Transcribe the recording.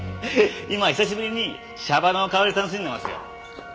今久しぶりにシャバの香り楽しんでますよ。